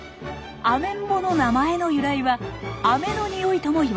アメンボの名前の由来は飴のニオイともいわれます。